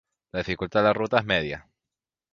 La dificultad de la ruta es media.